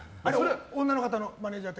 女の方のマネジャーに。